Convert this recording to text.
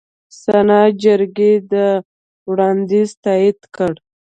سنا جرګې دا وړاندیز تایید کړ.